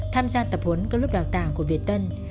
tham gia tập huấn các lớp đào tạo của việt tân